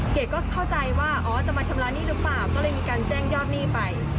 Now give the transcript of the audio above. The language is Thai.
เกดก็เข้าใจว่าอ๋อจะมาชำระหนี้หรือเปล่าก็เลยมีการแจ้งยอดหนี้ไป